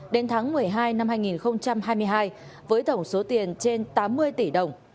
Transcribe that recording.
đến tháng một mươi hai năm hai nghìn hai mươi hai với tổng số tiền trên tám mươi tỷ đồng